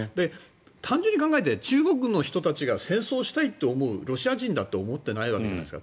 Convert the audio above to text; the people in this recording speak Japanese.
単純に考えて中国の人たちが戦争したいって思うロシア人だって思ってないわけじゃないですか。